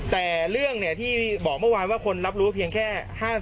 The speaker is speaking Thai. แต่เรื่องที่บอกเมื่อวานว่าคนรับรู้เพียงแค่๕๐